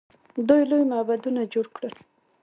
دوی لوی معبدونه جوړ کړل.